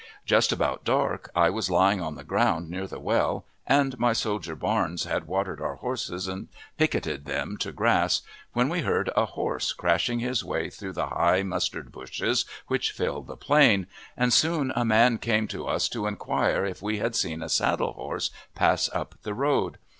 Just about dark I was lying on the ground near the well, and my soldier Barnes had watered our horses and picketed them to grass, when we heard a horse crushing his way through the high mustard bushes which filled the plain, and soon a man came to us to inquire if we had seen a saddle horse pass up the road.